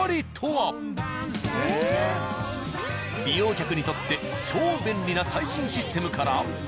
利用客にとって超便利な最新システムから。